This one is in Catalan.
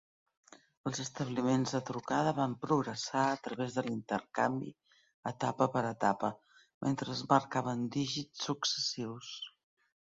Els establiments de trucada van progressar a través de l'intercanvi etapa per etapa, mentre es marcaven dígits successius.